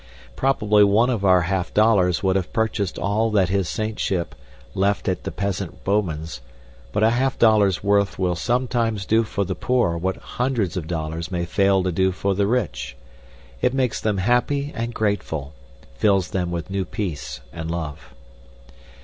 Probably one of our silver half dollars would have purchased all that his saintship left at the peasant Bouman's; but a half dollar's worth will sometimes do for the poor what hundreds of dollars may fail to do for the rich; it makes them happy and grateful, fills them with new peace and love.